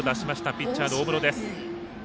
ピッチャーの大室です。